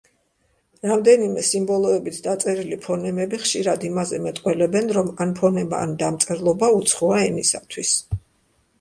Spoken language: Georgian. რამდენიმე სიმბოლოებით დაწერილი ფონემები ხშირად იმაზე მეტყველებენ, რომ ან ფონემა, ან დამწერლობა უცხოა ენისათვის.